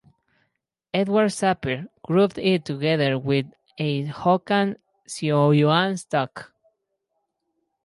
Edward Sapir grouped it together with a Hokan-Siouan stock.